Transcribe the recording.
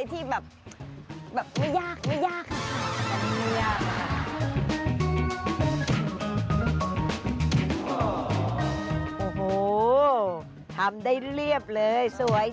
ทำได้เรียบเลยสวย